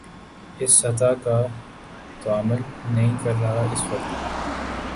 اس سطح کا تعامل نہیں کر رہا اس وقت